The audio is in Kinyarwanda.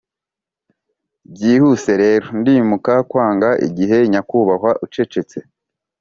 byihuse rero ndimuka kwanga igihe, nyakubahwa ucecetse